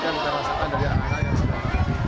kita bisa belajar dari anak anak